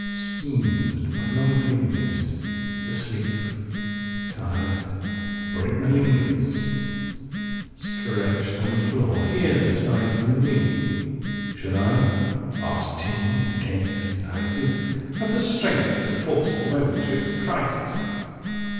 76Smoothed by long fingers,77Asleep ... tired ... or it malingers,78Stretched on the floor, here beside you and me.79Should I, after tea and cakes and ices,80Have the strength to force the moment to its crisis?